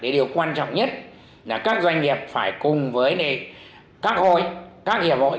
điều quan trọng nhất là các doanh nghiệp phải cùng với các hội các hiệp hội